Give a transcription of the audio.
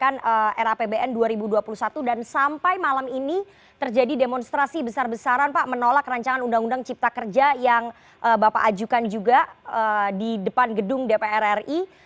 kemudian era apbn dua ribu dua puluh satu dan sampai malam ini terjadi demonstrasi besar besaran pak menolak rancangan undang undang cipta kerja yang bapak ajukan juga di depan gedung dpr ri